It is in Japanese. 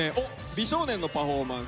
美少年のパフォーマンスです。